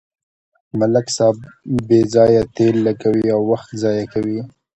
ملک صاحب بې ځایه تېل لګوي او وخت ضایع کوي.